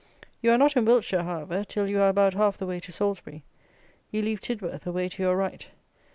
You are not in Wiltshire, however, till you are about half the way to Salisbury. You leave Tidworth away to your right.